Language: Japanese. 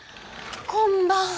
こんばんは。